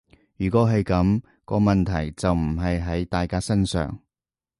如果係噉，個問題就唔係喺大家身上